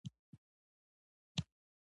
د روسیې هیات ډېر تود هرکلی شوی دی.